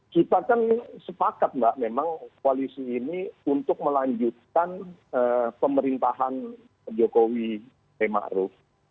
kita kan sepakat mbak memang koalisi ini untuk melanjutkan pemerintahan jokowi temahruf